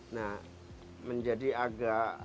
nah menjadi agak